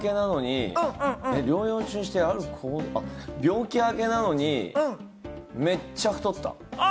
病気明けなのに、めっちゃ太った。